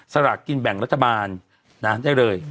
สลากกินแบ่งรัฐบาลได้เลย